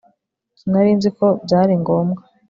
sinari nzi ko byari ngombwa